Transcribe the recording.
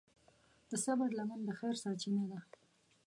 د صبر لمن د خیر سرچینه ده.